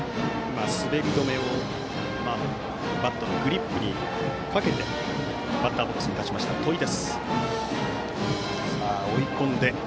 滑り止めをバットのグリップにかけてバッターボックスに立ちました戸井。